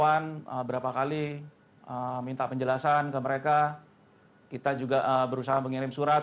iya saya dan kawan kawan berapa kali minta penjelasan ke mereka kita juga berusaha mengirim surat